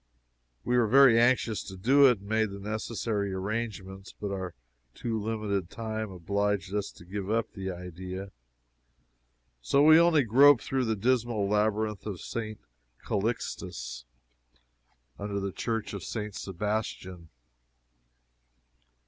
We were very anxious to do it, and made the necessary arrangements, but our too limited time obliged us to give up the idea. So we only groped through the dismal labyrinth of St. Callixtus, under the Church of St. Sebastian.